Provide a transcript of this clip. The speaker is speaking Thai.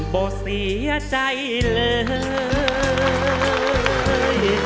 บอกเสียใจเลย